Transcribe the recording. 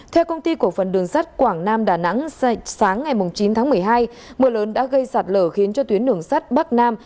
theo công ty cổ phần đường sắt quảng nam đà nẵng sáng ngày chín tháng một mươi hai mưa lớn đã gây sạt lở khiến cho tuyến đường sắt bắc nam